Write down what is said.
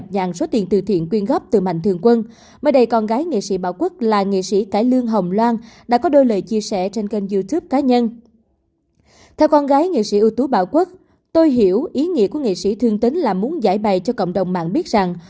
tôi hiểu ý nghĩa của nghệ sĩ thương tính là muốn giải bày cho cộng đồng mạng biết rằng